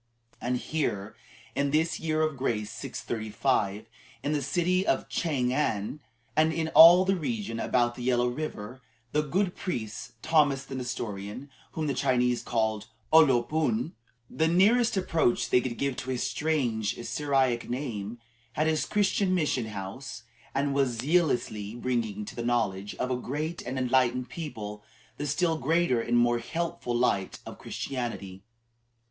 And here, in this year of grace 635, in the city of Chang an, and in all the region about the Yellow River, the good priest Thomas the Nestorian, whom the Chinese called O lo pun the nearest approach they could give to his strange Syriac name had his Christian mission house, and was zealously bringing to the knowledge of a great and enlightened people the still greater and more helpful light of Christianity.